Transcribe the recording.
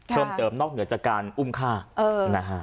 เพิ่มเติมนอกเหนือจากการอุ้มฆ่านะฮะ